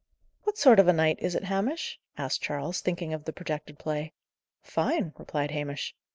"What sort of a night is it, Hamish?" asked Charles, thinking of the projected play. "Fine," replied Hamish.